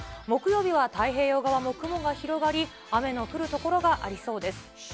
木曜日は太平洋側も雲が広がり、雨の降る所がありそうです。